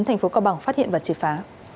thành phố cao bằng phát hiện và trị phá